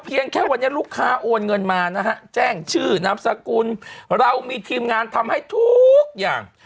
แค่วันนี้ลูกค้าโอนเงินมานะฮะแจ้งชื่อนามสกุลเรามีทีมงานทำให้ทุกอย่าง